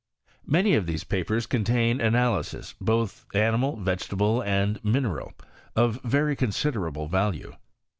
Many of these papers contaitted analyses both animal, vege~ table, and mineral, of very considerable value.